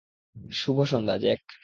শুভ সন্ধ্যা, জ্যাক।